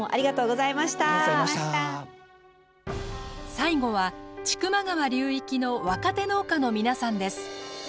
最後は千曲川流域の若手農家の皆さんです。